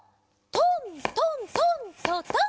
トントントントトン。